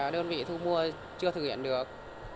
đơn vị thu mua chưa thực hiện được